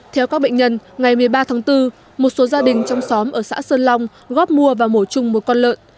theo các bệnh nhân ngày một mươi ba tháng bốn một số gia đình trong xóm ở xã sơn long góp mua và mổ chung một con lợn